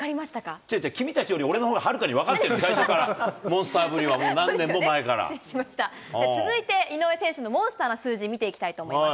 違う、君たちより俺のほうがはるかに分かってるの、最初から、モンスタ続いて井上選手のモンスターな数字、見ていきたいと思います。